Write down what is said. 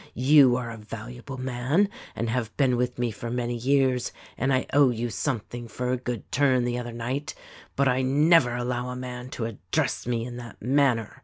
You are a valuable man and have been with me for many years, and I owe you something for a good turn the other night, but I never allow a man to address me in that manner.